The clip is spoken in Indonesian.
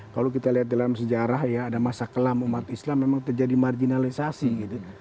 kalau kita lihat dalam sejarah ya ada masa kelam umat islam memang terjadi marginalisasi gitu